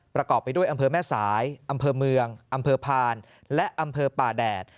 ประกอบไปด้วยอำเภอแม่สายอำเภอเมืองอำเภอพานและอำเภอป่าแดด